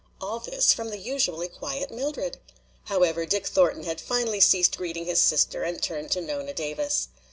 All this from the usually quiet Mildred! However, Dick Thornton had finally ceased greeting his sister and turned to Nona Davis.